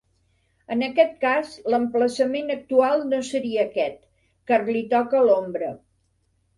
En aquest cas l'emplaçament actual no seria aquest, car li toca l'ombra.